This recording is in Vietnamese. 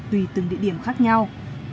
tùy từng địa điểm khác nhau